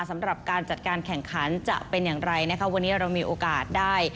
สำหรับการจัดการแข่งขันจะเป็นอย่างไรนะคะวันนี้เรามีโอกาสได้